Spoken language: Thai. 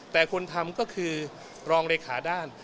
แต่คนทำก็คือรองเลขาด้าน